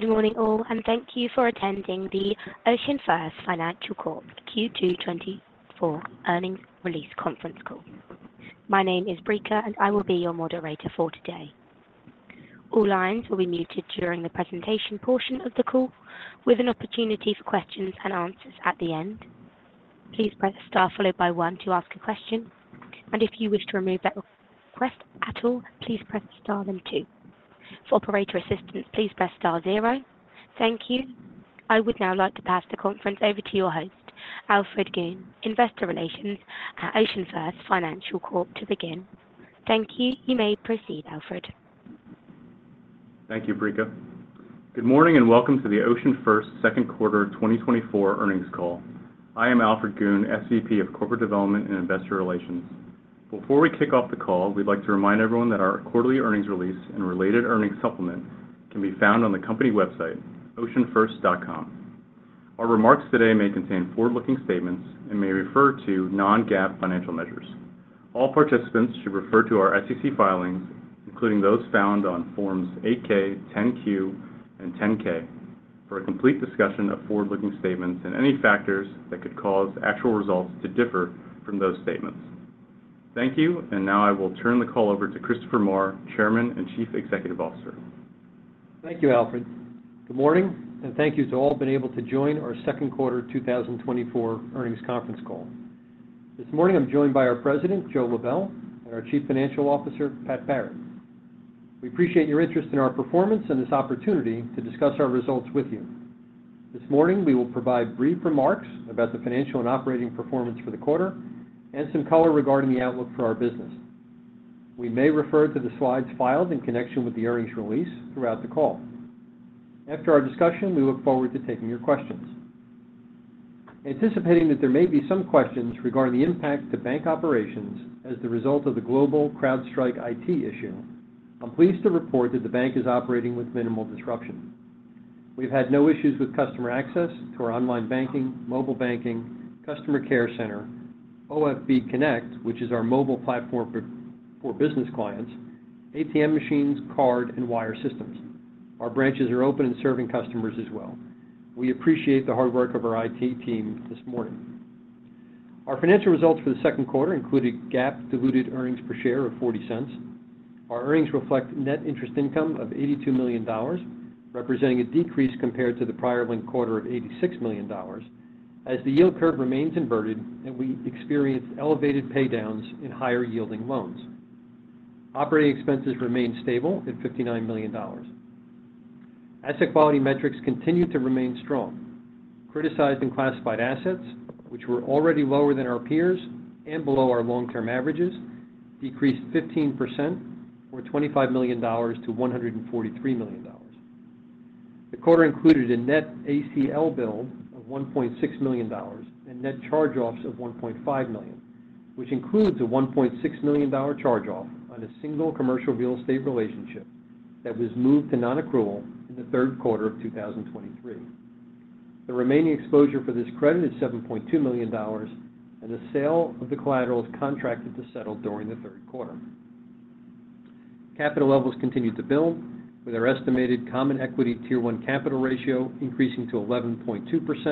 Good morning, all, and thank you for attending the OceanFirst Financial Corp Q2 2024 Earnings Release conference call. My name is Brika, and I will be your moderator for today. All lines will be muted during the presentation portion of the call, with an opportunity for questions and answers at the end. Please press Star followed by one to ask a question, and if you wish to remove that request at all, please press Star then two. For operator assistance, please press Star zero. Thank you. I would now like to pass the conference over to your host, Alfred Goon, Investor Relations at OceanFirst Financial Corp to begin. Thank you. You may proceed, Alfred. Thank you, Brika. Good morning, and welcome to the OceanFirst second quarter 2024 earnings call. I am Alfred Goon, SVP of Corporate Development and Investor Relations. Before we kick off the call, we'd like to remind everyone that our quarterly earnings release and related earnings supplement can be found on the company website, oceanfirst.com. Our remarks today may contain forward-looking statements and may refer to Non-GAAP financial measures. All participants should refer to our SEC filings, including those found on Forms 8-K, 10-Q, and 10-K, for a complete discussion of forward-looking statements and any factors that could cause actual results to differ from those statements. Thank you, and now I will turn the call over to Christopher Maher, Chairman and Chief Executive Officer. Thank you, Alfred. Good morning, and thank you to all been able to join our second quarter 2024 earnings conference call. This morning, I'm joined by our President, Joe Lebel, and our Chief Financial Officer, Pat Barrett. We appreciate your interest in our performance and this opportunity to discuss our results with you. This morning, we will provide brief remarks about the financial and operating performance for the quarter and some color regarding the outlook for our business. We may refer to the slides filed in connection with the earnings release throughout the call. After our discussion, we look forward to taking your questions. Anticipating that there may be some questions regarding the impact to bank operations as the result of the global CrowdStrike IT issue, I'm pleased to report that the bank is operating with minimal disruption. We've had no issues with customer access to our online banking, mobile banking, customer care center, OFB Connect, which is our mobile platform for business clients, ATM machines, card and wire systems. Our branches are open and serving customers as well. We appreciate the hard work of our IT team this morning. Our financial results for the second quarter included GAAP diluted earnings per share of $0.40. Our earnings reflect net interest income of $82 million, representing a decrease compared to the prior quarter of $86 million, as the yield curve remains inverted and we experienced elevated paydowns in higher-yielding loans. Operating expenses remained stable at $59 million. Asset quality metrics continued to remain strong. Criticized and classified assets, which were already lower than our peers and below our long-term averages, decreased 15% or $25 million to $143 million. The quarter included a net ACL build of $1.6 million and net charge-offs of $1.5 million, which includes a $1.6 million charge-off on a single commercial real estate relationship that was moved to non-accrual in the third quarter of 2023. The remaining exposure for this credit is $7.2 million, and the sale of the collateral is contracted to settle during the third quarter. Capital levels continued to build, with our estimated Common Equity Tier 1 capital ratio increasing to 11.2%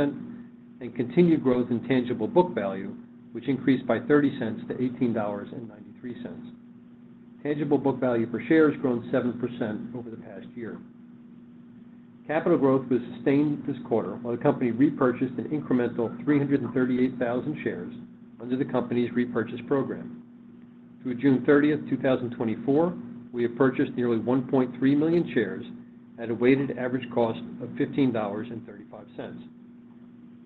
and continued growth in tangible book value, which increased by 30 cents to $18.93. Tangible book value per share has grown 7% over the past year. Capital growth was sustained this quarter, while the company repurchased an incremental 338,000 shares under the company's repurchase program. Through June 30, 2024, we have purchased nearly 1.3 million shares at a weighted average cost of $15.35.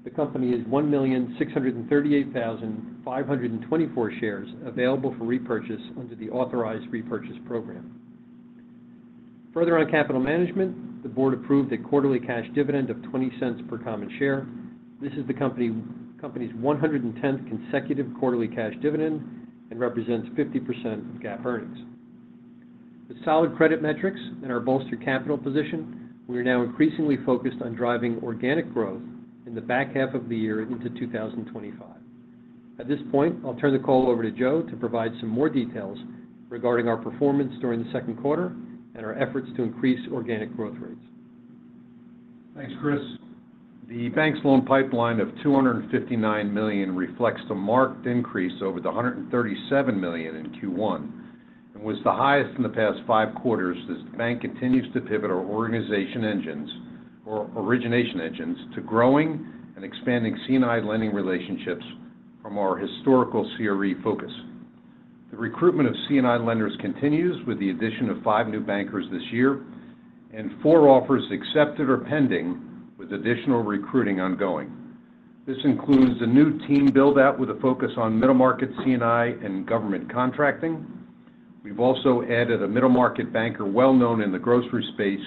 The company has 1,638,524 shares available for repurchase under the authorized repurchase program. Further on capital management, the board approved a quarterly cash dividend of $0.20 per common share. This is the company's 110th consecutive quarterly cash dividend and represents 50% of GAAP earnings. With solid credit metrics and our bolstered capital position, we are now increasingly focused on driving organic growth in the back half of the year into 2025. At this point, I'll turn the call over to Joe to provide some more details regarding our performance during the second quarter and our efforts to increase organic growth rates. Thanks, Chris. The bank's loan pipeline of $259 million reflects a marked increase over the $137 million in Q1 and was the highest in the past five quarters as the bank continues to pivot our organization engines or origination engines to growing and expanding C&I lending relationships from our historical CRE focus. The recruitment of C&I lenders continues with the addition of five new bankers this year and four offers accepted or pending, with additional recruiting ongoing. This includes a new team build-out with a focus on middle-market C&I and government contracting. We've also added a middle-market banker well known in the grocery space,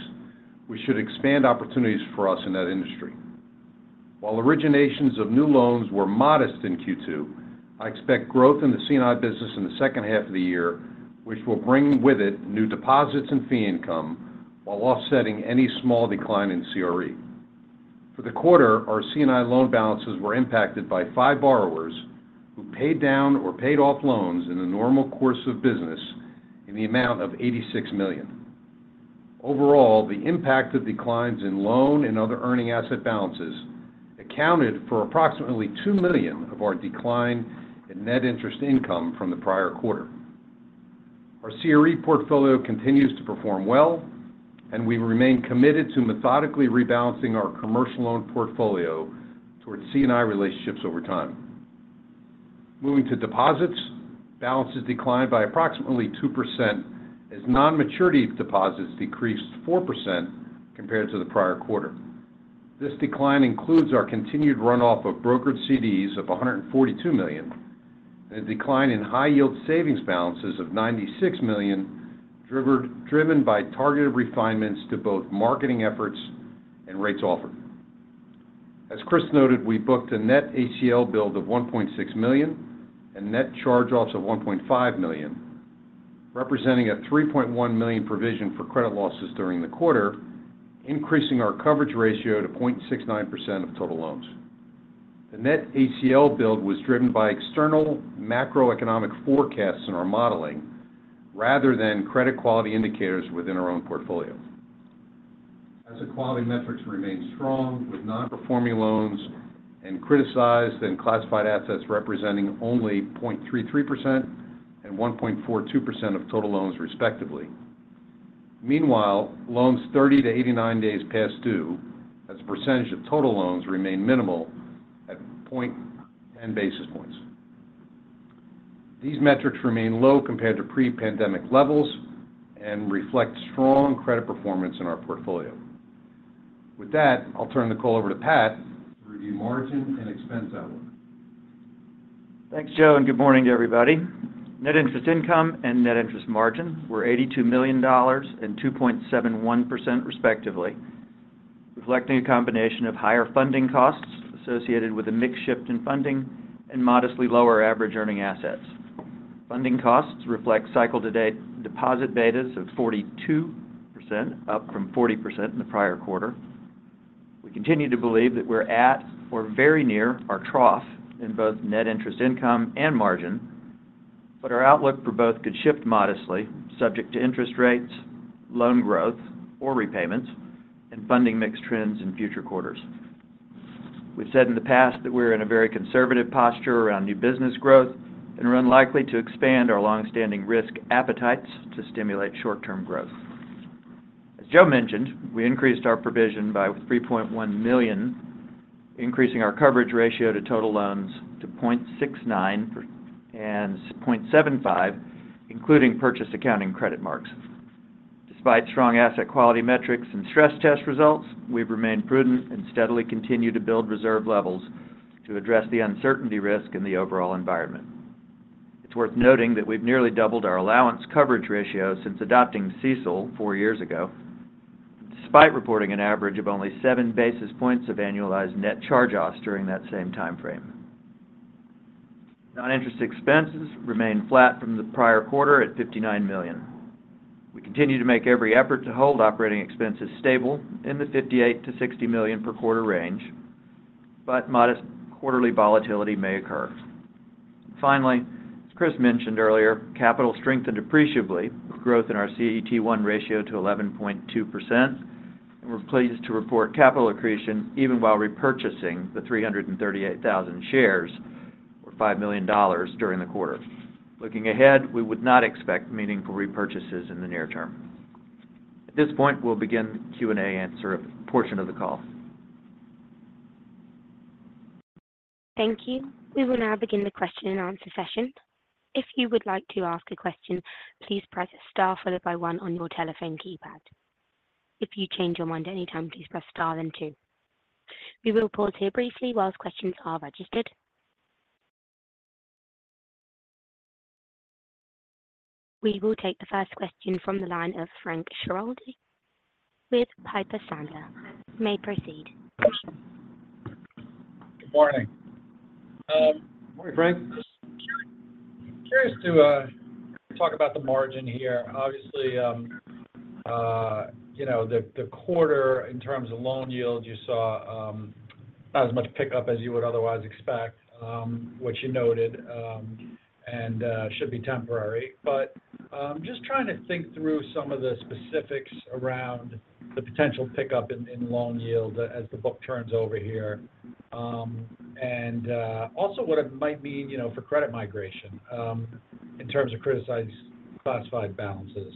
which should expand opportunities for us in that industry. While originations of new loans were modest in Q2, I expect growth in the C&I business in the second half of the year, which will bring with it new deposits and fee income while offsetting any small decline in CRE. For the quarter, our C&I loan balances were impacted by five borrowers who paid down or paid off loans in the normal course of business in the amount of $86 million. Overall, the impact of declines in loan and other earning asset balances accounted for approximately $2 million of our decline in net interest income from the prior quarter. Our CRE portfolio continues to perform well, and we remain committed to methodically rebalancing our commercial loan portfolio towards C&I relationships over time. Moving to deposits, balances declined by approximately 2%, as non-maturity deposits decreased 4% compared to the prior quarter. This decline includes our continued runoff of brokered CDs of $142 million, and a decline in high-yield savings balances of $96 million, driven by targeted refinements to both marketing efforts and rates offered. As Chris noted, we booked a net ACL build of $1.6 million and net charge-offs of $1.5 million, representing a $3.1 million provision for credit losses during the quarter, increasing our coverage ratio to 0.69% of total loans. The net ACL build was driven by external macroeconomic forecasts in our modeling, rather than credit quality indicators within our own portfolio. As the quality metrics remain strong, with non-performing loans and criticized and classified assets representing only 0.33% and 1.42% of total loans, respectively. Meanwhile, loans 30-89 days past due, as a percentage of total loans, remain minimal at 1 basis point. These metrics remain low compared to pre-pandemic levels and reflect strong credit performance in our portfolio. With that, I'll turn the call over to Pat to review margin and expense outlook. Thanks, Joe, and good morning to everybody. Net interest income and net interest margin were $82 million and 2.71%, respectively, reflecting a combination of higher funding costs associated with a mix shift in funding and modestly lower average earning assets. Funding costs reflect cycle-to-date deposit betas of 42%, up from 40% in the prior quarter. We continue to believe that we're at or very near our trough in both net interest income and margin, but our outlook for both could shift modestly, subject to interest rates, loan growth or repayments, and funding mix trends in future quarters. We've said in the past that we're in a very conservative posture around new business growth and are unlikely to expand our long-standing risk appetites to stimulate short-term growth. As Joe mentioned, we increased our provision by $3.1 million, increasing our coverage ratio to total loans to 0.69% and 0.75%, including purchase accounting credit marks. Despite strong asset quality metrics and stress test results, we've remained prudent and steadily continue to build reserve levels to address the uncertainty risk in the overall environment. It's worth noting that we've nearly doubled our allowance coverage ratio since adopting CECL four years ago, despite reporting an average of only seven basis points of annualized net charge-offs during that same time frame. Non-interest expenses remained flat from the prior quarter at $59 million. We continue to make every effort to hold operating expenses stable in the $58 million-$60 million per quarter range, but modest quarterly volatility may occur. Finally, as Chris mentioned earlier, capital strength and deployability, with growth in our CET1 ratio to 11.2%, and we're pleased to report capital accretion even while repurchasing the 338,000 shares, or $5 million during the quarter. Looking ahead, we would not expect meaningful repurchases in the near term. At this point, we'll begin the Q&A answer portion of the call. Thank you. We will now begin the question-and-answer session. If you would like to ask a question, please press star followed by one on your telephone keypad. If you change your mind at any time, please press star then two. We will pause here briefly while questions are registered. We will take the first question from the line of Frank Schiraldi with Piper Sandler. You may proceed. Good morning. Morning, Frank. Just curious to talk about the margin here. Obviously, you know, the quarter in terms of loan yield, you saw not as much pickup as you would otherwise expect, which you noted, and should be temporary. But just trying to think through some of the specifics around the potential pickup in loan yield as the book turns over here. And also what it might mean, you know, for credit migration in terms of criticized classified balances.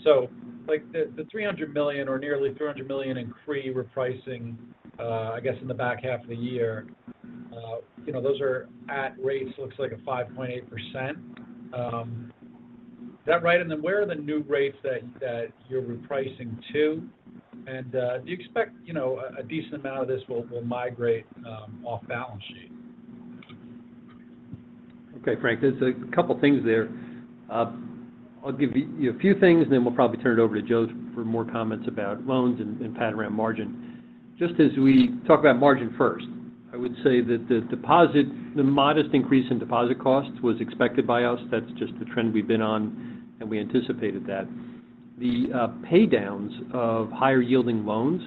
So, like, $300 million or nearly $300 million in CRE repricing, I guess, in the back half of the year, you know, those are at rates, looks like 5.8%. Is that right? And then where are the new rates that you're repricing to? Do you expect, you know, a decent amount of this will migrate off balance sheet? Okay, Frank, there's a couple of things there. I'll give you a few things, then we'll probably turn it over to Joe for more comments about loans and Pat around margin. Just as we talk about margin first, I would say that the deposit, the modest increase in deposit costs was expected by us. That's just the trend we've been on, and we anticipated that.... the pay downs of higher yielding loans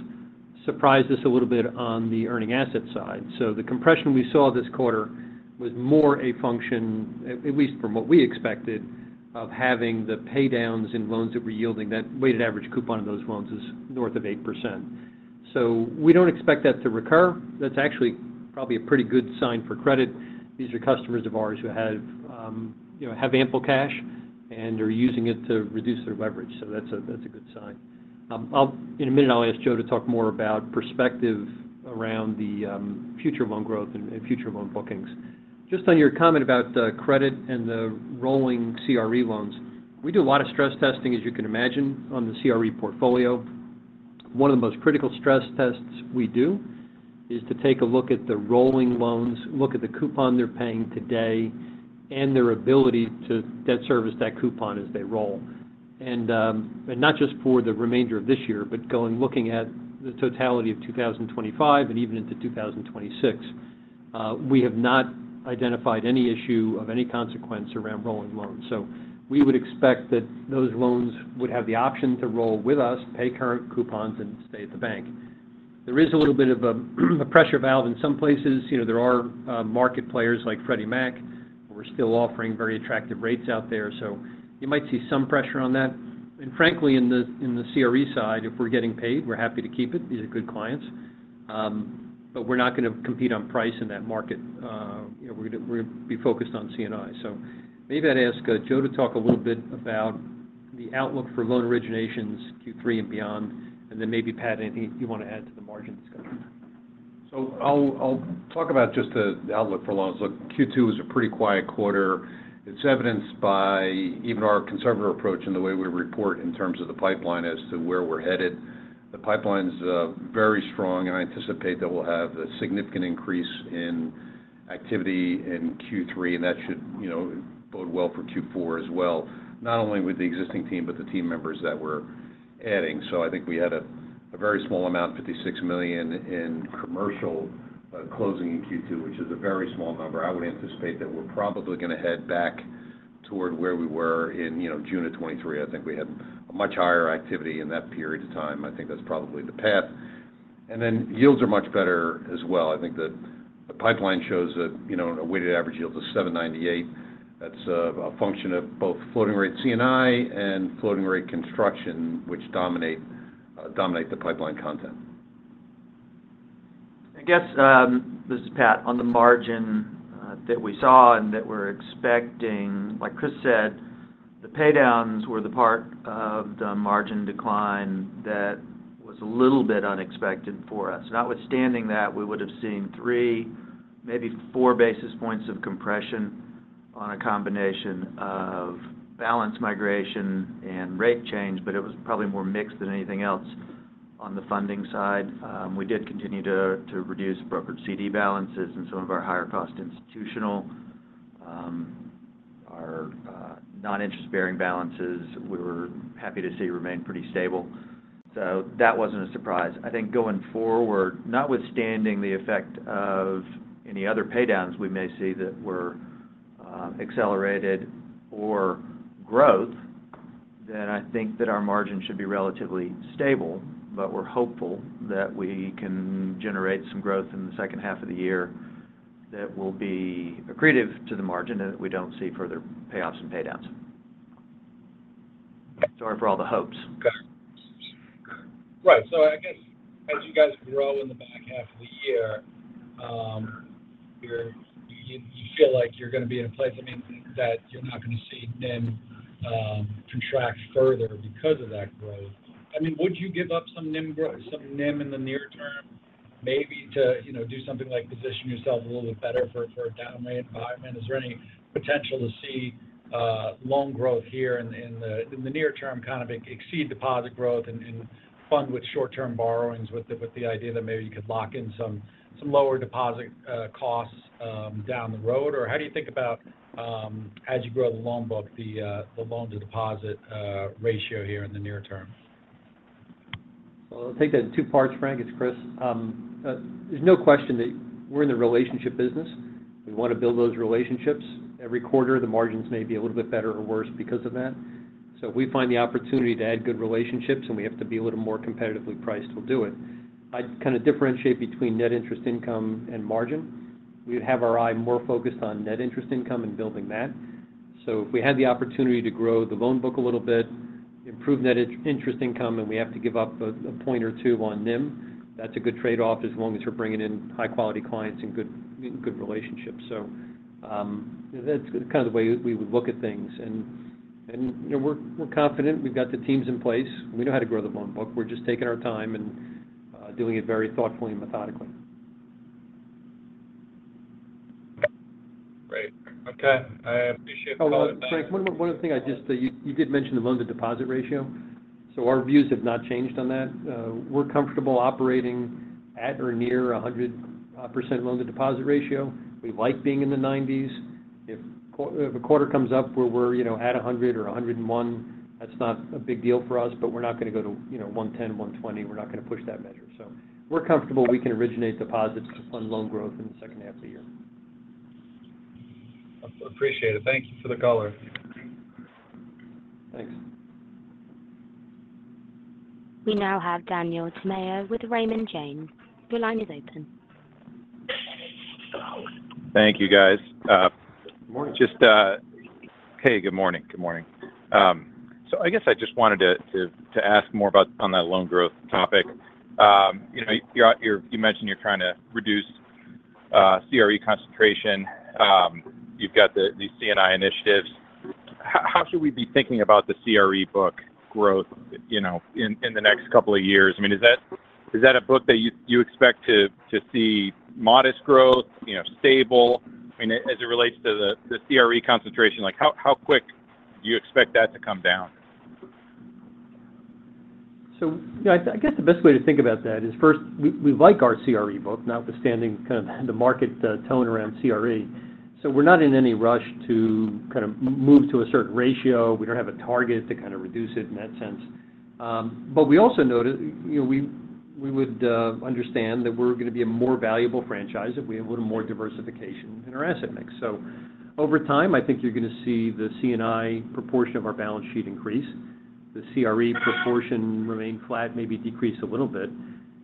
surprised us a little bit on the earning asset side. So the compression we saw this quarter was more a function, at least from what we expected, of having the pay downs in loans that were yielding. That weighted average coupon of those loans is north of 8%. So we don't expect that to recur. That's actually probably a pretty good sign for credit. These are customers of ours who have, you know, have ample cash, and are using it to reduce their leverage. So that's a, that's a good sign. I'll, in a minute, ask Joe to talk more about perspective around the future loan growth and future loan bookings. Just on your comment about the credit and the rolling CRE loans, we do a lot of stress testing, as you can imagine, on the CRE portfolio. One of the most critical stress tests we do is to take a look at the rolling loans, look at the coupon they're paying today, and their ability to debt service that coupon as they roll. And not just for the remainder of this year, but looking at the totality of 2025 and even into 2026. We have not identified any issue of any consequence around rolling loans. So we would expect that those loans would have the option to roll with us, pay current coupons, and stay at the bank. There is a little bit of a pressure valve in some places. You know, there are market players like Freddie Mac who are still offering very attractive rates out there, so you might see some pressure on that. And frankly, in the CRE side, if we're getting paid, we're happy to keep it. These are good clients. But we're not going to compete on price in that market. You know, we're gonna be focused on C&I. So maybe I'd ask Joe to talk a little bit about the outlook for loan originations, Q3 and beyond, and then maybe Pat, anything you want to add to the margin discussion. So I'll talk about just the outlook for loans. Look, Q2 was a pretty quiet quarter. It's evidenced by even our conservative approach in the way we report in terms of the pipeline as to where we're headed. The pipeline's very strong, and I anticipate that we'll have a significant increase in activity in Q3, and that should, you know, bode well for Q4 as well, not only with the existing team, but the team members that we're adding. So I think we had a very small amount, $56 million, in commercial closing in Q2, which is a very small number. I would anticipate that we're probably going to head back toward where we were in, you know, June of 2023. I think we had a much higher activity in that period of time. I think that's probably the path. Then, yields are much better as well. I think that the pipeline shows that, you know, a weighted average yield of 7.98%. That's a function of both floating rate C&I and floating rate construction, which dominate the pipeline content. I guess, this is Pat. On the margin, that we saw and that we're expecting, like Chris said, the pay downs were the part of the margin decline that was a little bit unexpected for us. Notwithstanding that, we would have seen three, maybe four basis points of compression on a combination of balance migration and rate change, but it was probably more mixed than anything else. On the funding side, we did continue to reduce brokered CD balances and some of our higher cost institutional. Our non-interest bearing balances, we were happy to see remain pretty stable. So that wasn't a surprise. I think going forward, notwithstanding the effect of any other pay downs, we may see that were accelerated or growth, then I think that our margin should be relatively stable. But we're hopeful that we can generate some growth in the second half of the year that will be accretive to the margin, and that we don't see further payoffs and pay downs. Sorry for all the hopes. Got it. Right. So I guess, as you guys grow in the back half of the year, you feel like you're going to be in a place, I mean, that you're not going to see NIM contract further because of that growth. I mean, would you give up some NIM in the near term, maybe to, you know, do something like position yourself a little bit better for a down rate environment? Is there any potential to see loan growth here in the near term, kind of exceed deposit growth and fund with short-term borrowings, with the idea that maybe you could lock in some lower deposit costs down the road? Or, how do you think about, as you grow the loan book, the loan-to-deposit ratio here in the near term? Well, I'll take that in two parts, Frank. It's Chris. There's no question that we're in the relationship business. We want to build those relationships. Every quarter, the margins may be a little bit better or worse because of that. So if we find the opportunity to add good relationships and we have to be a little more competitively priced, we'll do it. I'd kind of differentiate between net interest income and margin. We have our eye more focused on net interest income and building that. So if we had the opportunity to grow the loan book a little bit, improve net interest income, and we have to give up a point or two on NIM, that's a good trade-off, as long as we're bringing in high-quality clients and good, and good relationships. So, that's kind of the way we would look at things. You know, we're confident. We've got the teams in place. We know how to grow the loan book. We're just taking our time and doing it very thoughtfully and methodically. Great. Okay. I appreciate the call- Oh, Frank, one more. One other thing I just—you did mention the loan-to-deposit ratio. So our views have not changed on that. We're comfortable operating at or near 100% loan-to-deposit ratio. We like being in the 90s. If a quarter comes up where we're, you know, at 100 or 101, that's not a big deal for us, but we're not going to go to, you know, 110, 120. We're not going to push that measure. So we're comfortable we can originate deposits on loan growth in the second half of the year.... I appreciate it. Thank you for the caller. Thanks. We now have Daniel Tamayo with Raymond James. Your line is open. Thank you, guys. Morning. Just, hey, good morning. Good morning. So I guess I just wanted to ask more about on that loan growth topic. You know, you mentioned you're trying to reduce CRE concentration. You've got the C&I initiatives. How should we be thinking about the CRE book growth, you know, in the next couple of years? I mean, is that a book that you expect to see modest growth, you know, stable? I mean, as it relates to the CRE concentration, like, how quick do you expect that to come down? So, you know, I guess the best way to think about that is, first, we like our CRE book, notwithstanding kind of the market tone around CRE. So we're not in any rush to kind of move to a certain ratio. We don't have a target to kind of reduce it in that sense. But we also noted—you know, we would understand that we're going to be a more valuable franchise if we have a little more diversification in our asset mix. So over time, I think you're going to see the C&I proportion of our balance sheet increase. The CRE proportion remain flat, maybe decrease a little bit.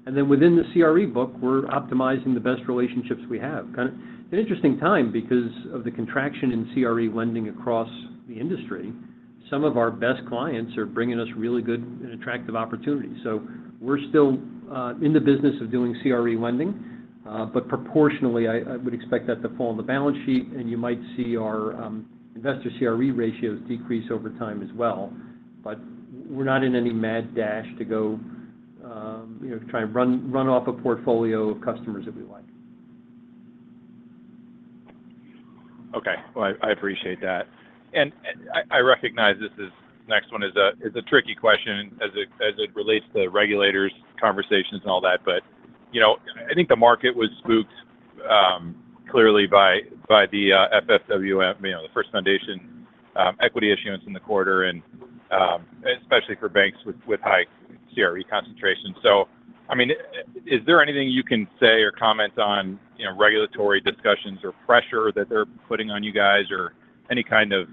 And then within the CRE book, we're optimizing the best relationships we have. Kind of an interesting time because of the contraction in CRE lending across the industry. Some of our best clients are bringing us really good and attractive opportunities. So we're still in the business of doing CRE lending, but proportionally, I would expect that to fall on the balance sheet, and you might see our investor CRE ratios decrease over time as well. But we're not in any mad dash to go, you know, to try and run off a portfolio of customers that we like. Okay. Well, I appreciate that. And I recognize this is next one is a tricky question as it relates to the regulators, conversations and all that, but you know, I think the market was spooked clearly by the FFW, you know, the First Foundation equity issuance in the quarter and especially for banks with high CRE concentration. So, I mean, is there anything you can say or comment on, you know, regulatory discussions or pressure that they're putting on you guys or any kind of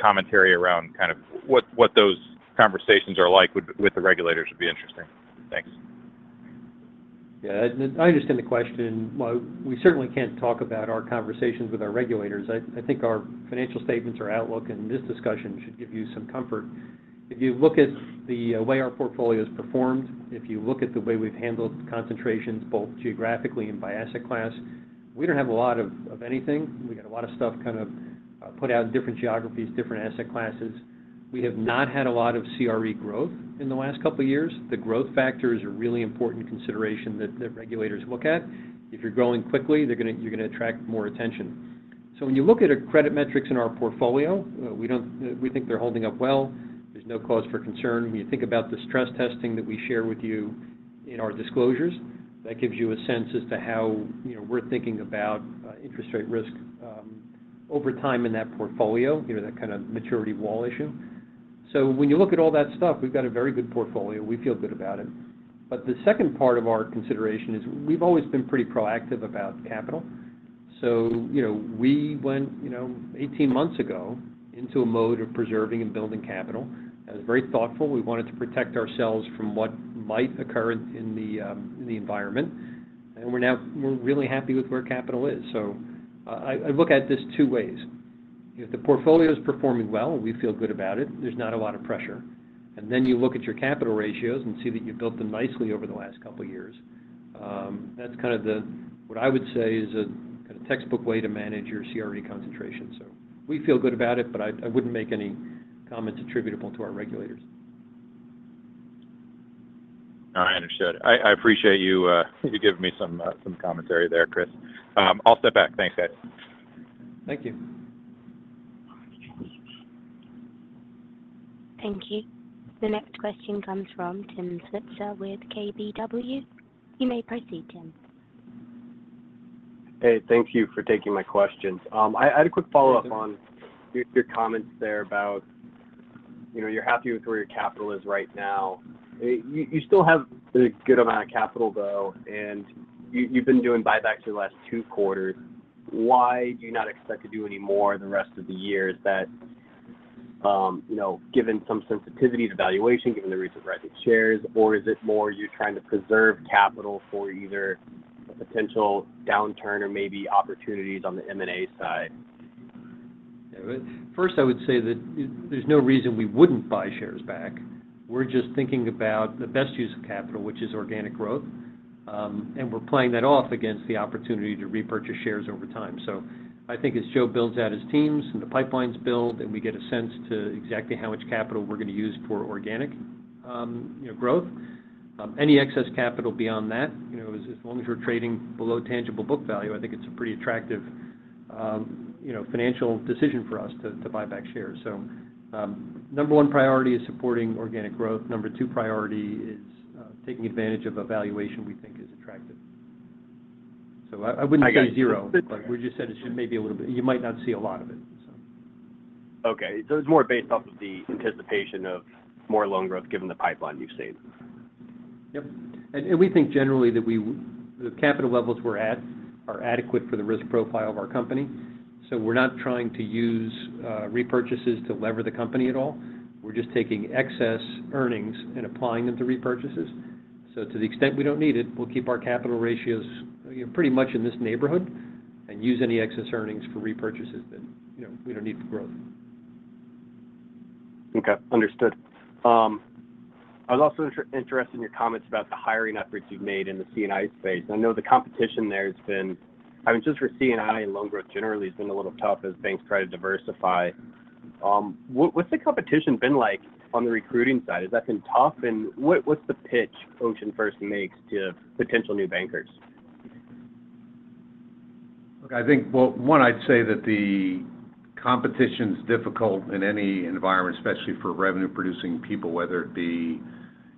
commentary around kind of what those conversations are like with the regulators would be interesting. Thanks. Yeah. I understand the question. Well, we certainly can't talk about our conversations with our regulators. I, I think our financial statements, our outlook, and this discussion should give you some comfort. If you look at the way our portfolio is performed, if you look at the way we've handled concentrations, both geographically and by asset class, we don't have a lot of, of anything. We got a lot of stuff kind of put out in different geographies, different asset classes. We have not had a lot of CRE growth in the last couple of years. The growth factor is a really important consideration that, that regulators look at. If you're growing quickly, they're gonna. You're gonna attract more attention. So when you look at our credit metrics in our portfolio, we don't. We think they're holding up well. There's no cause for concern. When you think about the stress testing that we share with you in our disclosures, that gives you a sense as to how, you know, we're thinking about interest rate risk over time in that portfolio, you know, that kind of maturity wall issue. So when you look at all that stuff, we've got a very good portfolio. We feel good about it. But the second part of our consideration is we've always been pretty proactive about capital. So, you know, we went, you know, 18 months ago into a mode of preserving and building capital. That was very thoughtful. We wanted to protect ourselves from what might occur in the environment, and we're now. We're really happy with where capital is. So I look at this two ways: If the portfolio is performing well, we feel good about it. There's not a lot of pressure. Then you look at your capital ratios and see that you've built them nicely over the last couple of years. That's kind of the, what I would say is a kind of textbook way to manage your CRE concentration. We feel good about it, but I, I wouldn't make any comments attributable to our regulators. I understood. I appreciate you giving me some commentary there, Chris. I'll step back. Thanks, guys. Thank you. Thank you. The next question comes from Tim Switzer with KBW. You may proceed, Tim. Hey, thank you for taking my questions. I had a quick follow-up on- Mm-hmm... your comments there about, you know, you're happy with where your capital is right now. You still have a good amount of capital, though, and you've been doing buybacks for the last two quarters. Why do you not expect to do any more the rest of the year? Is that, you know, given some sensitivities evaluation, given the recent rise of shares, or is it more you're trying to preserve capital for either a potential downturn or maybe opportunities on the M&A side? First, I would say that there's no reason we wouldn't buy shares back. We're just thinking about the best use of capital, which is organic growth, and we're playing that off against the opportunity to repurchase shares over time. So I think as Joe builds out his teams and the pipelines build, then we get a sense to exactly how much capital we're going to use for organic, you know, growth. Any excess capital beyond that, you know, as long as we're trading below tangible book value, I think it's a pretty attractive, you know, financial decision for us to, to buy back shares. So, number one priority is supporting organic growth. Number two priority is, taking advantage of a valuation we think is attractive. So I, I wouldn't say zero- I got it.... but we just said it maybe a little bit. You might not see a lot of it.... Okay, so it's more based off of the anticipation of more loan growth, given the pipeline you've seen? Yep. And we think generally that we, the capital levels we're at, are adequate for the risk profile of our company. So we're not trying to use repurchases to lever the company at all. We're just taking excess earnings and applying them to repurchases. So to the extent we don't need it, we'll keep our capital ratios, you know, pretty much in this neighborhood and use any excess earnings for repurchases that, you know, we don't need for growth. Okay, understood. I was also interested in your comments about the hiring efforts you've made in the C&I space. I know the competition there has been—I mean, just for C&I and loan growth generally has been a little tough as banks try to diversify. What, what's the competition been like on the recruiting side? Has that been tough? And what's the pitch OceanFirst makes to potential new bankers? Look, I think, well, one, I'd say that the competition's difficult in any environment, especially for revenue-producing people, whether it be,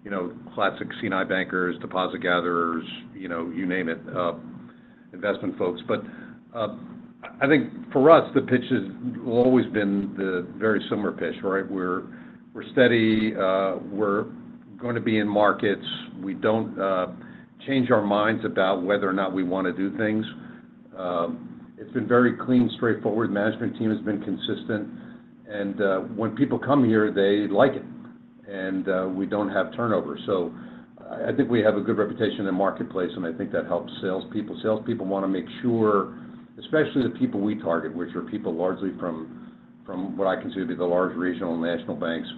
you know, classic C&I bankers, deposit gatherers, you know, you name it, investment folks. But, I think for us, the pitch has always been the very similar pitch, right? We're, we're steady. We're going to be in markets. We don't change our minds about whether or not we want to do things. It's been very clean, straightforward. Management team has been consistent, and when people come here, they like it, and we don't have turnover. So I think we have a good reputation in the marketplace, and I think that helps salespeople. Salespeople want to make sure, especially the people we target, which are people largely from, from what I consider to be the large regional and national banks.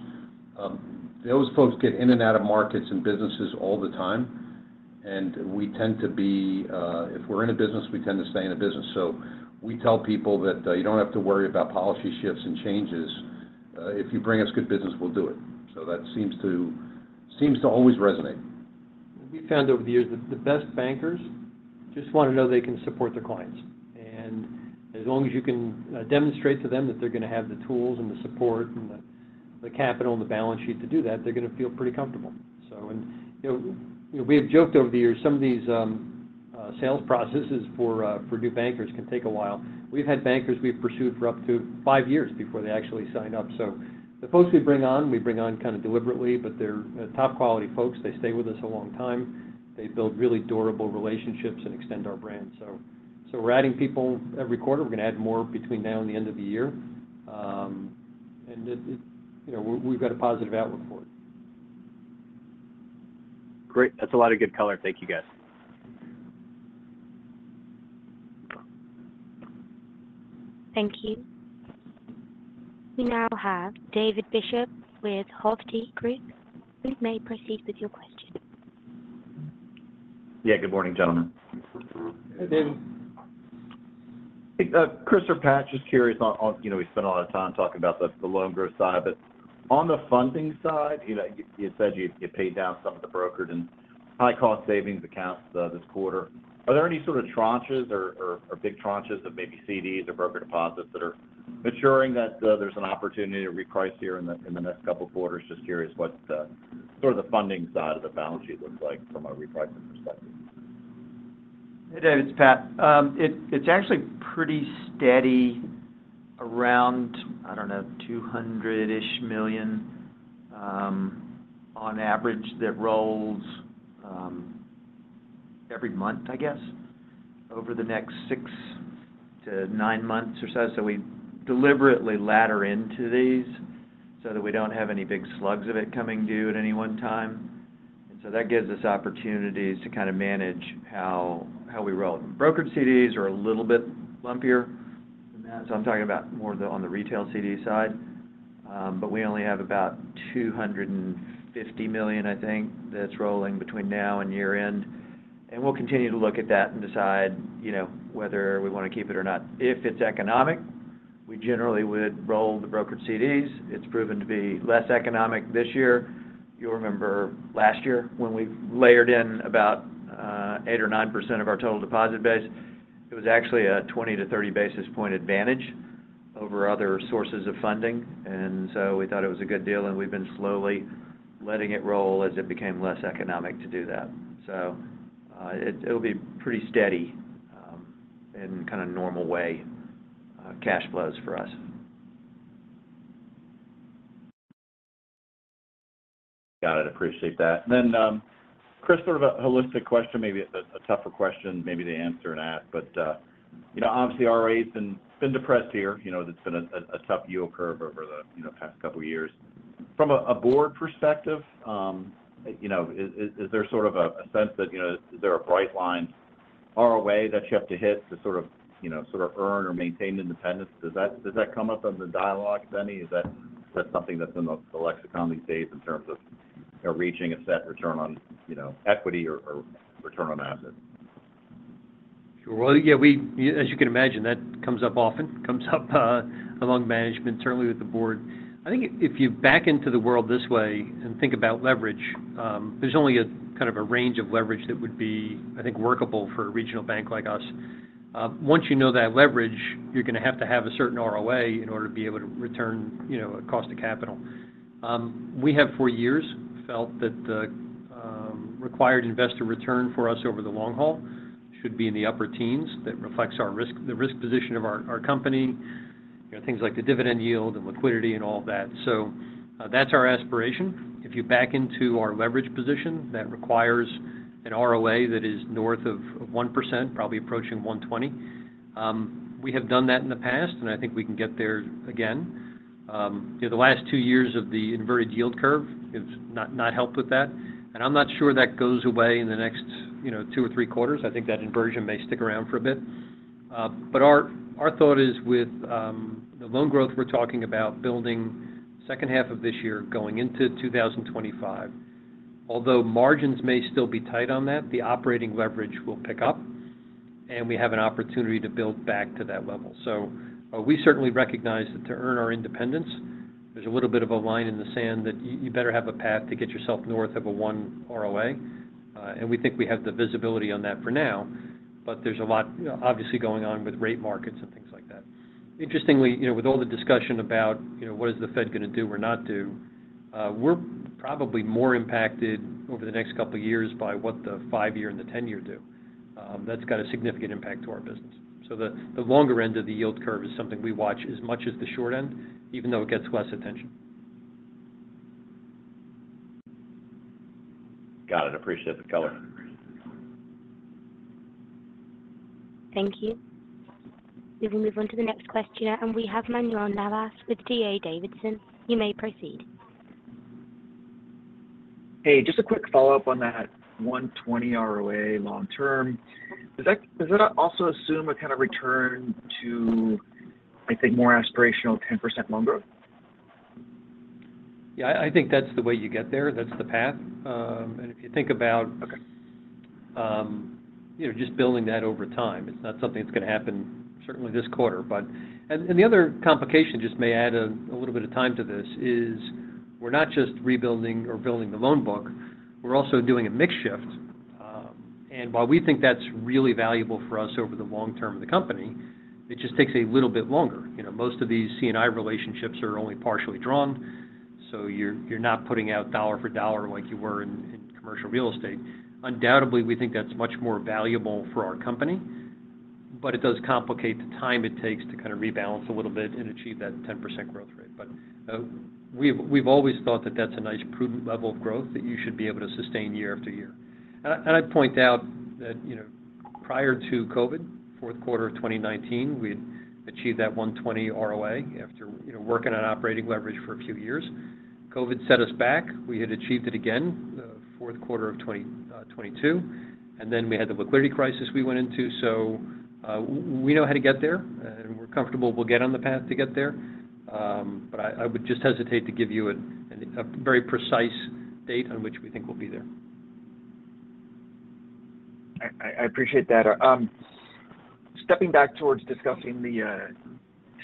Those folks get in and out of markets and businesses all the time, and we tend to be... If we're in a business, we tend to stay in a business. So we tell people that you don't have to worry about policy shifts and changes. If you bring us good business, we'll do it. So that seems to always resonate. We found over the years that the best bankers just want to know they can support their clients. And as long as you can demonstrate to them that they're going to have the tools and the support and the capital and the balance sheet to do that, they're going to feel pretty comfortable. So and, you know, we have joked over the years, some of these sales processes for for new bankers can take a while. We've had bankers we've pursued for up to five years before they actually sign up. So the folks we bring on, we bring on kind of deliberately, but they're top-quality folks. They stay with us a long time. They build really durable relationships and extend our brand. So, so we're adding people every quarter. We're going to add more between now and the end of the year. You know, we've got a positive outlook for it. Great. That's a lot of good color. Thank you, guys. Thank you. We now have David Bishop with Hovde Group. You may proceed with your question. Yeah, good morning, gentlemen. Hey, David. Chris or Pat, just curious on, you know, we spent a lot of time talking about the loan growth side, but on the funding side, you know, you said you paid down some of the brokered and high-cost savings accounts this quarter. Are there any sort of tranches or big tranches of maybe CDs or broker deposits that are maturing, that there's an opportunity to reprice here in the next couple of quarters? Just curious what the sort of the funding side of the balance sheet looks like from a repricing perspective. Hey, David, it's Pat. It's actually pretty steady around, I don't know, $200 million-ish on average that rolls every month, I guess, over the next six to nine months or so. So we deliberately ladder into these so that we don't have any big slugs of it coming due at any one time. So that gives us opportunities to kind of manage how we roll. Brokered CDs are a little bit lumpier than that, so I'm talking about more, on the retail CD side. But we only have about $250 million, I think, that's rolling between now and year-end. And we'll continue to look at that and decide, you know, whether we want to keep it or not. If it's economic, we generally would roll the brokered CDs. It's proven to be less economic this year. You'll remember last year, when we layered in about 8 or 9% of our total deposit base, it was actually a 20-30 basis point advantage over other sources of funding, and so we thought it was a good deal, and we've been slowly letting it roll as it became less economic to do that. So, it'll be pretty steady in kind of normal way, cash flows for us. Got it. Appreciate that. Then, Chris, sort of a holistic question, maybe a tougher question, maybe to answer and ask, but, you know, obviously, ROA has been depressed here. You know, it's been a tough yield curve over the, you know, past couple of years. From a board perspective, you know, is there sort of a sense that, you know, is there a bright line ROA that you have to hit to sort of, you know, sort of earn or maintain independence? Does that come up in the dialogue, if any? Is that something that's in the lexicon these days in terms of, you know, reaching a set return on, you know, equity or return on assets? Sure. Well, yeah, we, as you can imagine, that comes up often. Comes up among management, certainly with the board. I think if you back into the world this way and think about leverage, there's only a kind of a range of leverage that would be, I think, workable for a regional bank like us. Once you know that leverage, you're going to have to have a certain ROA in order to be able to return, you know, a cost of capital. We have for years felt that the required investor return for us over the long haul should be in the upper teens. That reflects our risk, the risk position of our company, you know, things like the dividend yield and liquidity and all of that. So, that's our aspiration. If you back into our leverage position, that requires an ROA that is north of 1%, probably approaching 1.20%. We have done that in the past, and I think we can get there again. You know, the last two years of the inverted yield curve has not helped with that, and I'm not sure that goes away in the next, you know, two or three quarters. I think that inversion may stick around for a bit. But our thought is with the loan growth, we're talking about building second half of this year, going into 2025. Although margins may still be tight on that, the operating leverage will pick up, and we have an opportunity to build back to that level. So while we certainly recognize that to earn our independence, there's a little bit of a line in the sand that you better have a path to get yourself north of a one ROA, and we think we have the visibility on that for now, but there's a lot, you know, obviously, going on with rate markets and things like that. Interestingly, you know, with all the discussion about, you know, what is the Fed gonna do or not do, we're probably more impacted over the next couple of years by what the 5-year and the 10-year do. That's got a significant impact to our business. So the longer end of the yield curve is something we watch as much as the short end, even though it gets less attention. Got it. Appreciate the color. Thank you. We will move on to the next question, and we have Manuel Navas with D.A. Davidson. You may proceed. Hey, just a quick follow-up on that 1.20 ROA long term. Does that, does that also assume a kind of return to, I think, more aspirational 10% loan growth? Yeah, I, I think that's the way you get there. That's the path. And if you think about- Okay... you know, just building that over time. It's not something that's gonna happen, certainly this quarter. But the other complication, just may add a little bit of time to this, is we're not just rebuilding or building the loan book, we're also doing a mix shift. And while we think that's really valuable for us over the long term of the company, it just takes a little bit longer. You know, most of these C&I relationships are only partially drawn, so you're not putting out dollar for dollar like you were in commercial real estate. Undoubtedly, we think that's much more valuable for our company, but it does complicate the time it takes to kind of rebalance a little bit and achieve that 10% growth rate. But, we've, we've always thought that that's a nice, prudent level of growth that you should be able to sustain year after year. And I, and I'd point out that, you know, prior to COVID, fourth quarter of 2019, we had achieved that 1.20 ROA after, you know, working on operating leverage for a few years. COVID set us back. We had achieved it again, the fourth quarter of 2022, and then we had the liquidity crisis we went into. So, we know how to get there, and we're comfortable we'll get on the path to get there. But I, I would just hesitate to give you a, an, a very precise date on which we think we'll be there. I appreciate that. Stepping back towards discussing the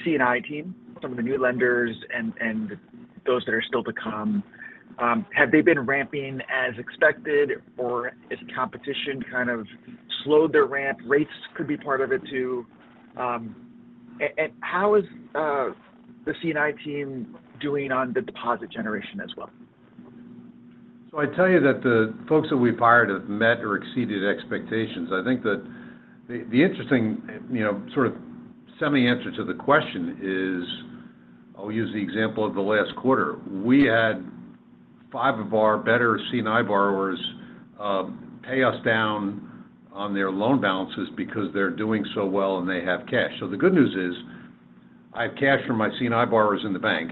C&I team, some of the new lenders and those that are still to come, have they been ramping as expected, or has competition kind of slowed their ramp? Rates could be part of it, too. And how is the C&I team doing on the deposit generation as well? So I'd tell you that the folks that we've hired have met or exceeded expectations. I think that the interesting, you know, sort of semi answer to the question is... I'll use the example of the last quarter. We had five of our better C&I borrowers pay us down on their loan balances because they're doing so well, and they have cash. So the good news is, I have cash from my C&I borrowers in the bank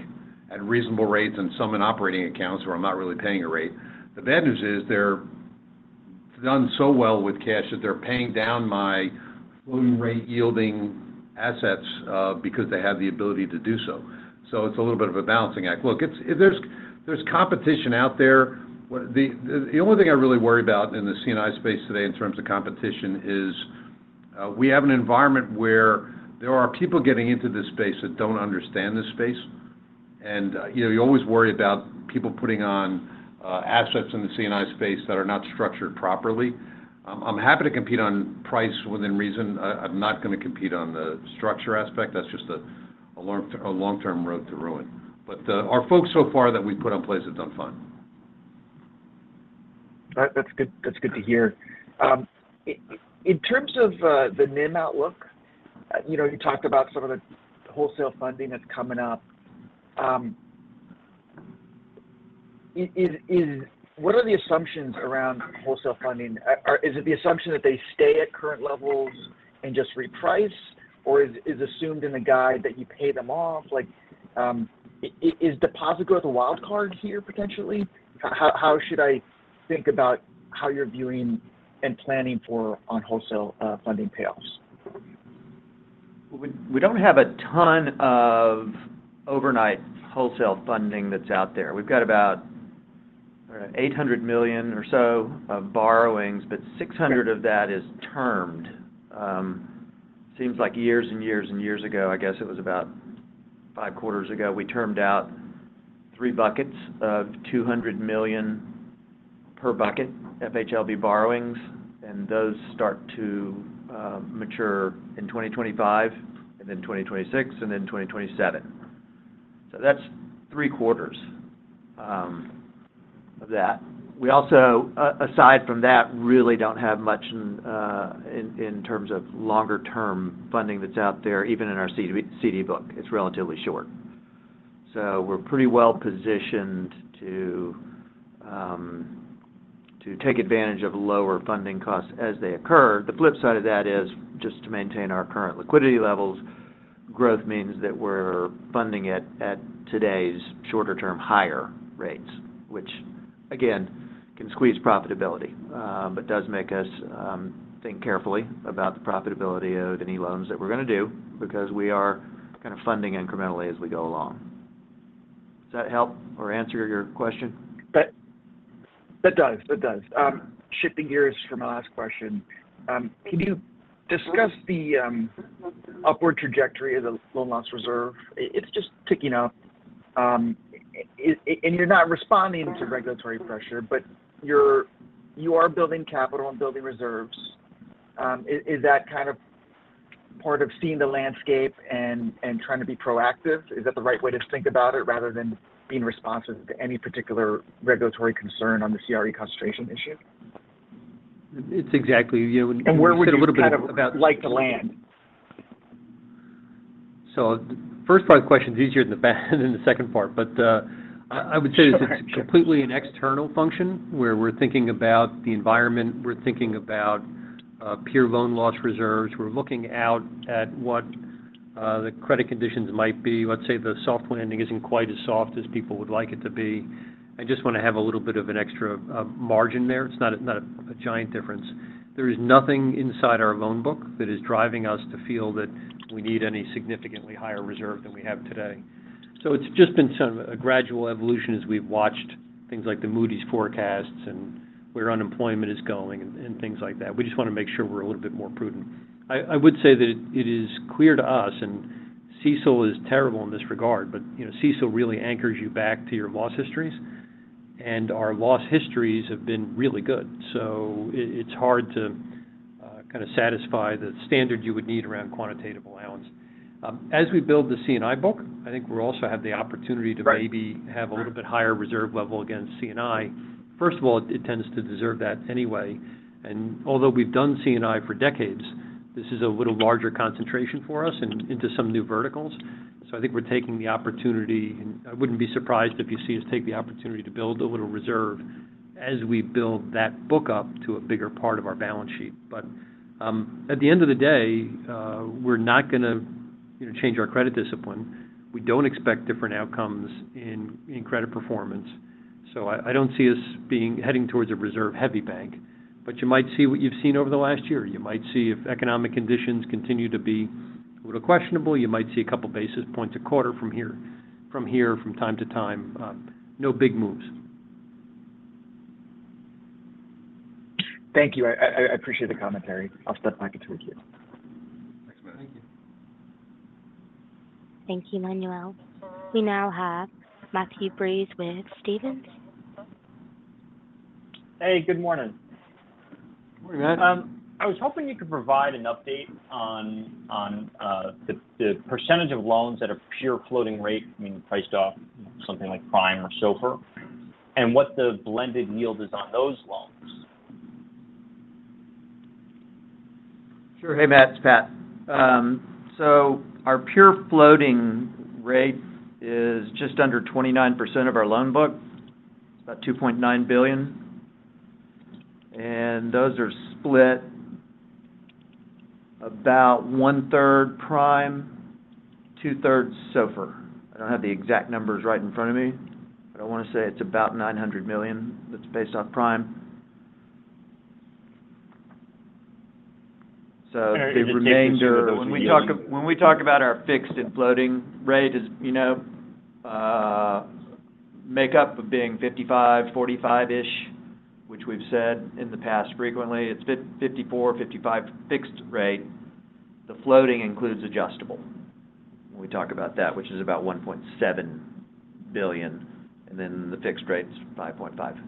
at reasonable rates and some in operating accounts where I'm not really paying a rate. The bad news is, they're done so well with cash that they're paying down my loan rate-yielding assets because they have the ability to do so. So it's a little bit of a balancing act. Look, it's... there's competition out there. The only thing I really worry about in the C&I space today in terms of competition is, we have an environment where there are people getting into this space that don't understand this space. And, you know, you always worry about people putting on, assets in the C&I space that are not structured properly. I'm happy to compete on price within reason. I'm not gonna compete on the structure aspect. That's just a long-term road to ruin. But, our folks so far that we've put in place have done fine. That, that's good, that's good to hear. In terms of the NIM outlook, you know, you talked about some of the wholesale funding that's coming up. What are the assumptions around wholesale funding? Is it the assumption that they stay at current levels and just reprice, or is assumed in the guide that you pay them off? Like, is deposit growth a wild card here, potentially? How should I think about how you're viewing and planning for on wholesale funding payoffs? We, we don't have a ton of overnight wholesale funding that's out there. We've got about $800 million or so of borrowings, but 600 of that is termed. Seems like years and years and years ago, I guess it was about 5 quarters ago, we termed out 3 buckets of $200 million per bucket, FHLB borrowings, and those start to mature in 2025, and then 2026, and then 2027.... so that's three-quarters of that. We also, aside from that, really don't have much in terms of longer-term funding that's out there, even in our CD book. It's relatively short. So we're pretty well positioned to take advantage of lower funding costs as they occur. The flip side of that is, just to maintain our current liquidity levels, growth means that we're funding it at today's shorter-term, higher rates, which, again, can squeeze profitability. But does make us think carefully about the profitability of any loans that we're going to do, because we are kind of funding incrementally as we go along. Does that help or answer your question? That, that does. That does. Shifting gears for my last question. Can you discuss the upward trajectory of the loan loss reserve? It's just ticking up. And you're not responding to regulatory pressure, but you are building capital and building reserves. Is that kind of part of seeing the landscape and trying to be proactive? Is that the right way to think about it, rather than being responsive to any particular regulatory concern on the CRE concentration issue? It's exactly, you know- Where would you kind of like to land? The first part of the question is easier than the second part. But I would say- Sure. This is completely an external function, where we're thinking about the environment, we're thinking about pure loan loss reserves. We're looking out at what the credit conditions might be. Let's say, the soft landing isn't quite as soft as people would like it to be. I just want to have a little bit of an extra margin there. It's not a, not a giant difference. There is nothing inside our loan book that is driving us to feel that we need any significantly higher reserve than we have today. So it's just been sort of a gradual evolution as we've watched things like the Moody's forecasts and where unemployment is going and things like that. We just want to make sure we're a little bit more prudent. I would say that it is clear to us, and CECL is terrible in this regard, but, you know, CECL really anchors you back to your loss histories, and our loss histories have been really good. So it's hard to kind of satisfy the standard you would need around quantitative allowance. As we build the C&I book, I think we'll also have the opportunity to- Right... maybe have a little bit higher reserve level against C&I. First of all, it tends to deserve that anyway, and although we've done C&I for decades, this is a little larger concentration for us and into some new verticals. So I think we're taking the opportunity, and I wouldn't be surprised if you see us take the opportunity to build a little reserve as we build that book up to a bigger part of our balance sheet. But at the end of the day, we're not going to, you know, change our credit discipline. We don't expect different outcomes in credit performance, so I don't see us being heading towards a reserve-heavy bank. But you might see what you've seen over the last year. You might see, if economic conditions continue to be a little questionable, you might see a couple basis points a quarter from here, from here from time to time. No big moves. Thank you. I appreciate the commentary. I'll step back and turn it to you. Thanks, Manuel. Thank you, Manuel. We now have Matthew Breese with Stephens. Hey, good morning. Good morning, Matt. I was hoping you could provide an update on the percentage of loans that are pure floating rate, I mean, priced off something like Prime or SOFR, and what the blended yield is on those loans? Sure. Hey, Matt, it's Pat. So our pure floating rate is just under 29% of our loan book. It's about $2.9 billion. Those are split about one third Prime, two-thirds SOFR. I don't have the exact numbers right in front of me, but I want to say it's about $900 million that's based off Prime. So the remainder- And when we talk- When we talk about our fixed and floating rate, as you know, make up of being 55, 45-ish, which we've said in the past frequently, it's 54, 55 fixed rate. The floating includes adjustable, when we talk about that, which is about $1.7 billion, and then the fixed rate is $5.5.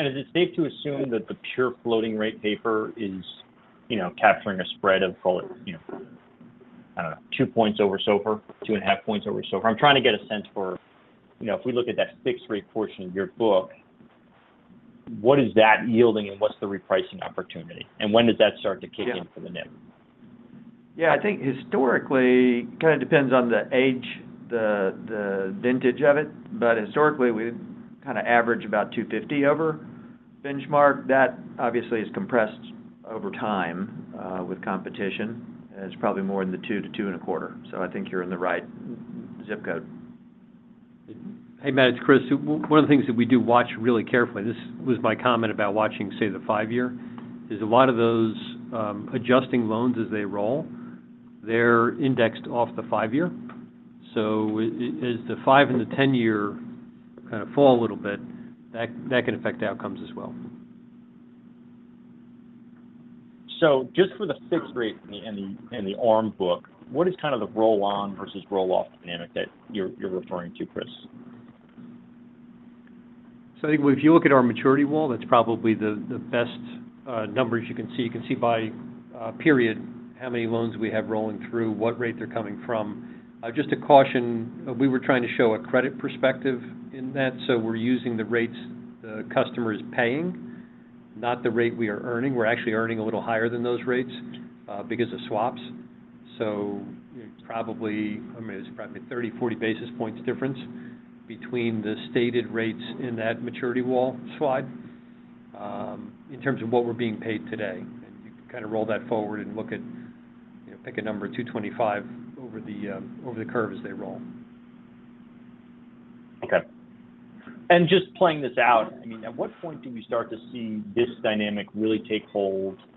Is it safe to assume that the pure floating rate paper is, you know, capturing a spread of, call it, you know, I don't know, 2 points over SOFR, 2.5 points over SOFR? I'm trying to get a sense for, you know, if we look at that fixed rate portion of your book, what is that yielding and what's the repricing opportunity? And when does that start to kick in for the NIM? Yeah, I think historically, kind of depends on the age, the vintage of it, but historically, we've kind of averaged about 2.50 over benchmark. That obviously is compressed over time with competition, and it's probably more in the 2-2.25. So I think you're in the right ZIP code. Hey, Matt, it's Chris. One of the things that we do watch really carefully, this was my comment about watching, say, the 5-year, is a lot of those adjusting loans as they roll, they're indexed off the 5-year. So as the 5- and 10-year kind of fall a little bit, that can affect outcomes as well. Just for the fixed rate and the ARM book, what is kind of the roll-on versus roll-off dynamic that you're referring to, Chris?... So I think if you look at our maturity wall, that's probably the best numbers you can see. You can see by period, how many loans we have rolling through, what rate they're coming from. Just to caution, we were trying to show a credit perspective in that, so we're using the rates the customer is paying, not the rate we are earning. We're actually earning a little higher than those rates because of swaps. So probably, I mean, it's probably 30, 40 basis points difference between the stated rates in that maturity wall slide, in terms of what we're being paid today. And you kind of roll that forward and look at, you know, pick a number 225 over the over the curve as they roll. Okay. And just playing this out, I mean, at what point do we start to see this dynamic really take hold and,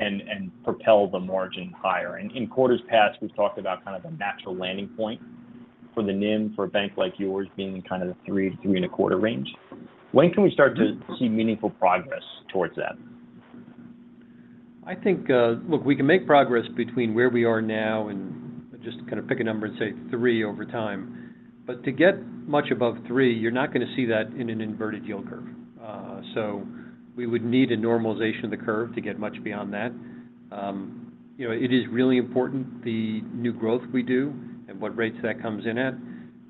and propel the margin higher? And in quarters past, we've talked about kind of a natural landing point for the NIM, for a bank like yours, being kind of the 3%-3.25% range. When can we start to see meaningful progress towards that? I think, look, we can make progress between where we are now and just kind of pick a number and say 3 over time. But to get much above 3, you're not going to see that in an inverted yield curve. So we would need a normalization of the curve to get much beyond that. You know, it is really important, the new growth we do and what rates that comes in at.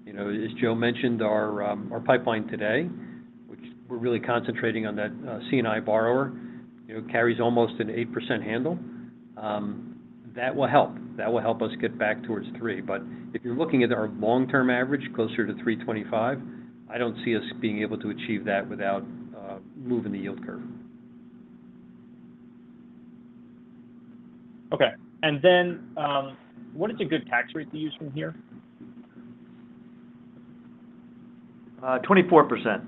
You know, as Joe mentioned, our pipeline today, which we're really concentrating on that, C&I borrower, you know, carries almost an 8% handle. That will help. That will help us get back towards 3. But if you're looking at our long-term average, closer to 3.25, I don't see us being able to achieve that without moving the yield curve. Okay. And then, what is a good tax rate to use from here? 24%.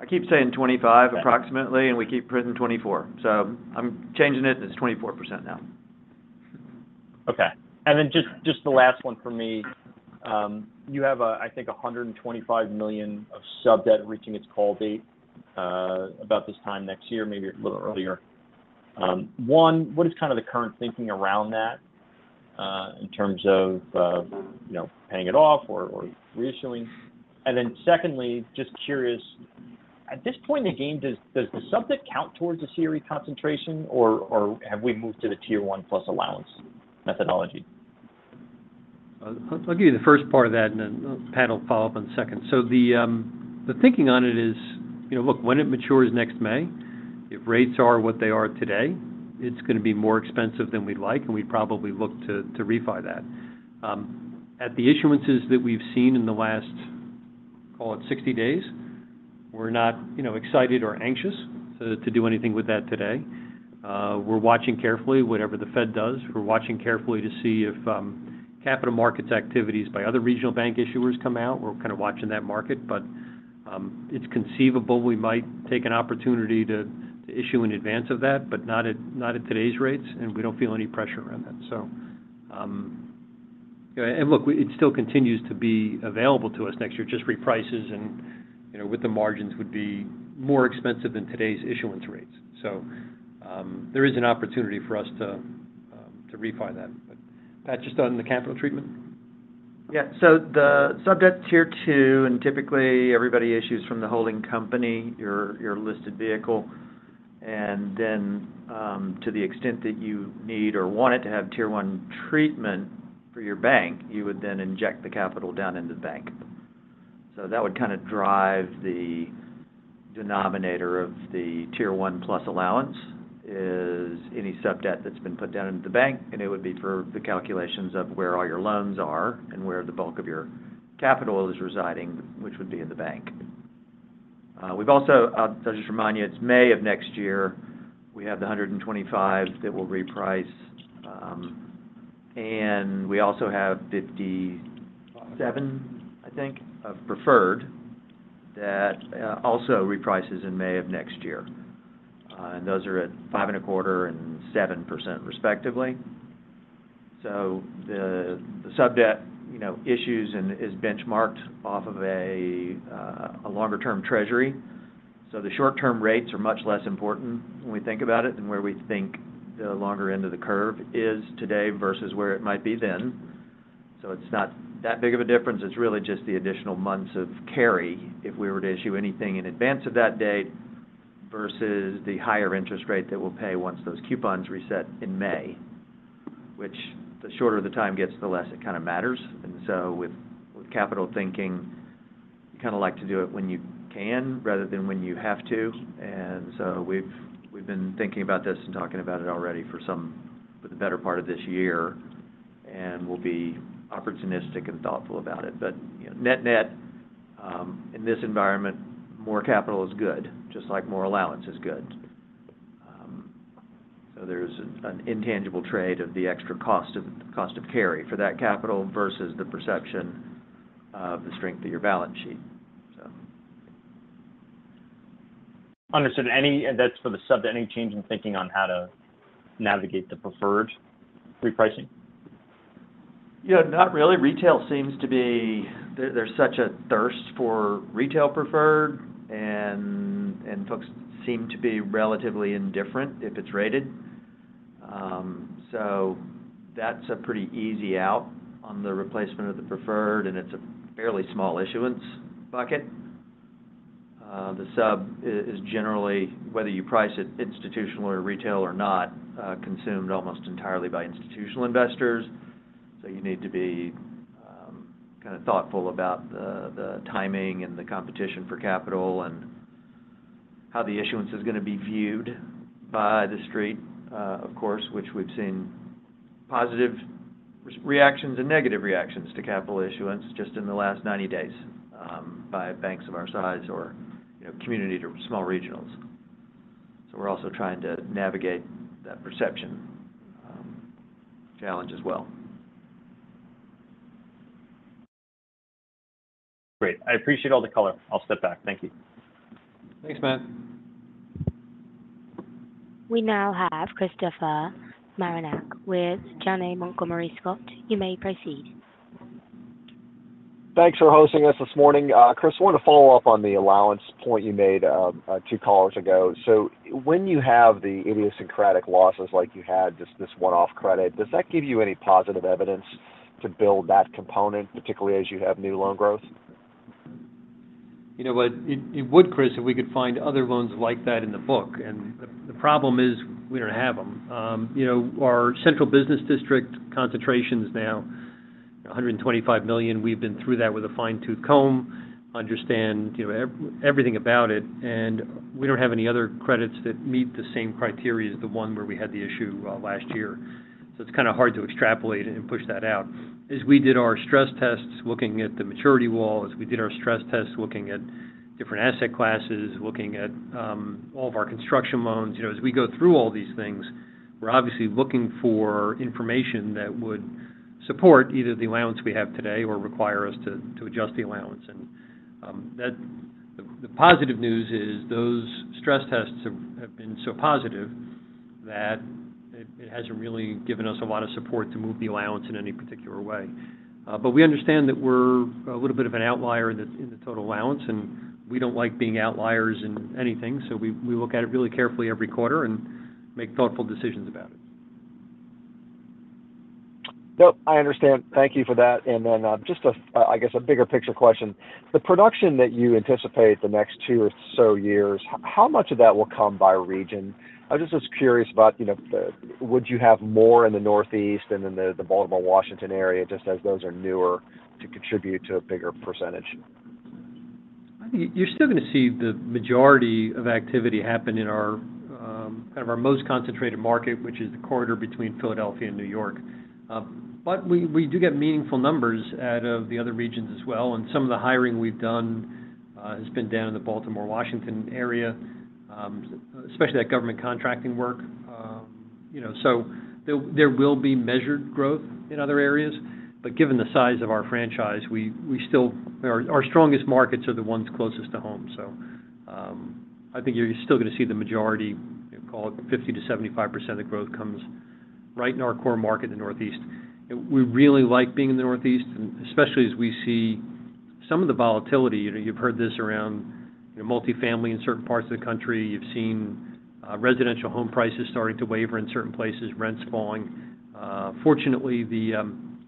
I keep saying 25 approximately- Okay. - and we keep printing 24, so I'm changing it, and it's 24% now. Okay. And then just, just the last one for me. You have a, I think, $125 million of sub-debt reaching its call date about this time next year, maybe a little earlier. Mm-hmm. One, what is kind of the current thinking around that, in terms of, you know, paying it off or reissuing? And then secondly, just curious, at this point in the game, does the sub-debt count towards a CRE concentration, or have we moved to the Tier 1 plus allowance methodology? I'll give you the first part of that, and then Pat will follow up on the second. So the thinking on it is, you know, look, when it matures next May, if rates are what they are today, it's going to be more expensive than we'd like, and we'd probably look to refi that. At the issuances that we've seen in the last, call it 60 days, we're not, you know, excited or anxious to do anything with that today. We're watching carefully whatever the Fed does. We're watching carefully to see if capital markets activities by other regional bank issuers come out. We're kind of watching that market, but it's conceivable we might take an opportunity to issue in advance of that, but not at today's rates, and we don't feel any pressure around that. So, yeah... And look, it still continues to be available to us next year, just reprices and, you know, with the margins would be more expensive than today's issuance rates. So, there is an opportunity for us to, to refi that. But Pat, just on the capital treatment? Yeah. So the subdebt Tier 2, and typically, everybody issues from the holding company, your, your listed vehicle. And then, to the extent that you need or want it to have Tier 1 treatment for your bank, you would then inject the capital down into the bank. So that would kind of drive the denominator of the Tier One plus allowance, is any subdebt that's been put down into the bank, and it would be for the calculations of where all your loans are and where the bulk of your capital is residing, which would be in the bank. We've also just to remind you, it's May of next year, we have the 125 that will reprice. And we also have 57, I think, of preferred, that also reprices in May of next year. And those are at 5.25% and 7%, respectively. So the, the subdebt, you know, issues and is benchmarked off of a, a longer-term Treasury. So the short-term rates are much less important when we think about it than where we think the longer end of the curve is today versus where it might be then. So it's not that big of a difference. It's really just the additional months of carry if we were to issue anything in advance of that date versus the higher interest rate that we'll pay once those coupons reset in May, which the shorter the time gets, the less it kind of matters. And so with, with capital thinking, you kind of like to do it when you can rather than when you have to. And so we've been thinking about this and talking about it already for the better part of this year, and we'll be opportunistic and thoughtful about it. But, you know, net-net, in this environment, more capital is good, just like more allowance is good. So there's an intangible trade of the extra cost of carry for that capital versus the perception of the strength of your balance sheet, so. Understood. That's for the sub, any change in thinking on how to navigate the preferred repricing? Yeah, not really. Retail seems to be... There, there's such a thirst for retail preferred, and, and folks seem to be relatively indifferent if it's rated.... So that's a pretty easy out on the replacement of the preferred, and it's a fairly small issuance bucket. The sub is generally, whether you price it institutional or retail or not, consumed almost entirely by institutional investors. So you need to be kind of thoughtful about the timing and the competition for capital and how the issuance is going to be viewed by the Street, of course, which we've seen positive reactions and negative reactions to capital issuance just in the last 90 days, by banks of our size or, you know, community to small regionals. So we're also trying to navigate that perception challenge as well. Great. I appreciate all the color. I'll step back. Thank you. Thanks, Matt. We now have Christopher Marinac with Janney Montgomery Scott. You may proceed. Thanks for hosting us this morning. Chris, I wanted to follow up on the allowance point you made two callers ago. So when you have the idiosyncratic losses like you had, this one-off credit, does that give you any positive evidence to build that component, particularly as you have new loan growth? You know what? It would, Chris, if we could find other loans like that in the book, and the problem is we don't have them. You know, our central business district concentration is now $125 million. We've been through that with a fine-tooth comb, understand, you know, everything about it, and we don't have any other credits that meet the same criteria as the one where we had the issue last year. So it's kind of hard to extrapolate and push that out. As we did our stress tests, looking at the maturity wall, as we did our stress tests, looking at different asset classes, looking at all of our construction loans, you know, as we go through all these things, we're obviously looking for information that would support either the allowance we have today or require us to adjust the allowance. And the positive news is those stress tests have been so positive that it hasn't really given us a lot of support to move the allowance in any particular way. But we understand that we're a little bit of an outlier in the total allowance, and we don't like being outliers in anything, so we look at it really carefully every quarter and make thoughtful decisions about it. Nope, I understand. Thank you for that. And then, just a, I guess, a bigger picture question. The production that you anticipate the next two or so years, how much of that will come by region? I just was curious about, you know, the... Would you have more in the Northeast and in the, the Baltimore-Washington area, just as those are newer, to contribute to a bigger percentage? I think you're still going to see the majority of activity happen in our, kind of our most concentrated market, which is the corridor between Philadelphia and New York. But we do get meaningful numbers out of the other regions as well, and some of the hiring we've done has been down in the Baltimore-Washington area, especially that government contracting work. You know, so there will be measured growth in other areas, but given the size of our franchise, we still—our strongest markets are the ones closest to home. So, I think you're still going to see the majority, call it 50%-75% of growth comes right in our core market in the Northeast. We really like being in the Northeast, and especially as we see some of the volatility. You know, you've heard this around, you know, multifamily in certain parts of the country. You've seen, residential home prices starting to waver in certain places, rents falling. Fortunately, the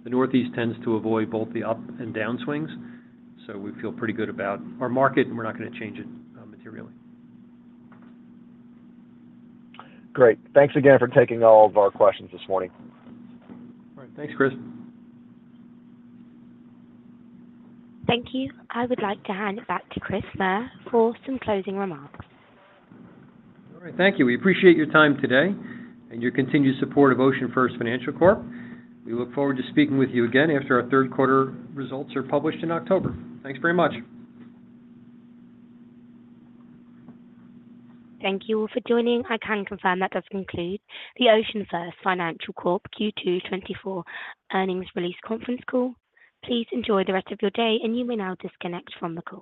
Northeast tends to avoid both the up and downswings, so we feel pretty good about our market, and we're not going to change it, materially. Great. Thanks again for taking all of our questions this morning. All right. Thanks, Chris. Thank you. I would like to hand it back to Chris Maher for some closing remarks. All right. Thank you. We appreciate your time today and your continued support of OceanFirst Financial Corp. We look forward to speaking with you again after our third quarter results are published in October. Thanks very much. Thank you all for joining. I can confirm that does conclude the OceanFirst Financial Corp. Q2 2024 Earnings Release Conference Call. Please enjoy the rest of your day, and you may now disconnect from the call.